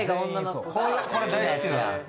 これ大好きなのよ。